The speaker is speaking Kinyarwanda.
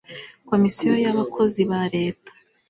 komisiyo y'abakozi ba leta